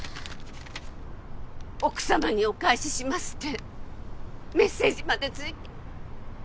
「奥様にお返しします」ってメッセージまでついて。